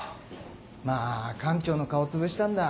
まあ館長の顔つぶしたんだ